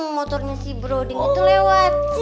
motornya si browding itu lewat